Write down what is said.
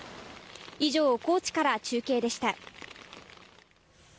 以上、高知から中継でした。